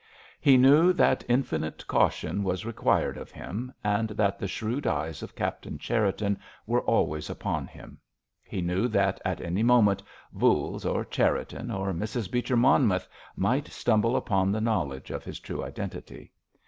He knew that infinite caution was required of him, and that the shrewd eyes of Captain Cherriton were always upon him. He knew that at any moment "Voules," or Cherriton or Mrs. Beecher Monmouth might stumble upon the knowledge of his true identity.